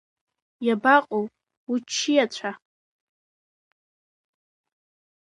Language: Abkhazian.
Иабаҟоу уччиацәа?